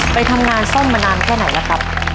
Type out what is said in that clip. ไปทำงานซ่อมมานานแค่ไหนแล้วครับ